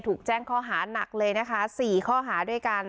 ถูกแจ้งข้อหานักเลยนะคะ๔ข้อหาด้วยกัน